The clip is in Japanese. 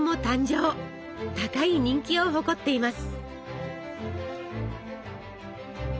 高い人気を誇っています。